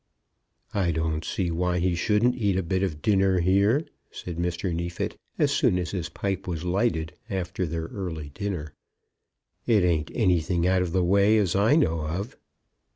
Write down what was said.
"I don't see why he shouldn't eat a bit of dinner here," said Mr. Neefit, as soon as his pipe was lighted after their early dinner. "It ain't anything out of the way, as I know of."